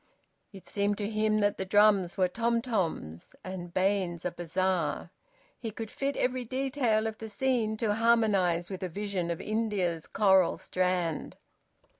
It seemed to him that the drums were tom toms, and Baines's a bazaar. He could fit every detail of the scene to harmonise with a vision of India's coral strand.